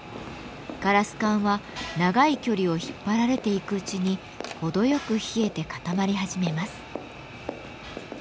ガラス管は長い距離を引っ張られていくうちに程よく冷えて固まり始めます。